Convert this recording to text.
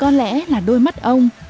có lẽ là đôi mắt ông